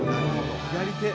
◆左手。